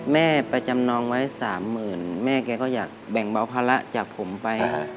แม่ไปจำนองไว้๓๐๐๐แม่แกก็อยากแบ่งเบาภาระจากผมไป